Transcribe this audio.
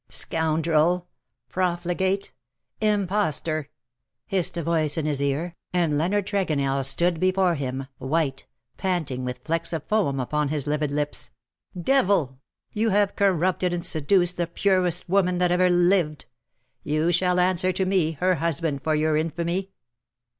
" Scoundrel — profligate — impostor !^^ hissed a voice in his ear, and Leonard Tregonell stood before him — white, panting, with flecks of foam upon his livid lips. " Devil ! you have corrupted and seduced the purest woman that ever lived. You shall answer to me — her husband — for your infamy.'